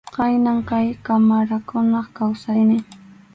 Khaynam kay qamarakunap kawsaynin.